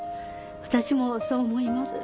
私もそう思います。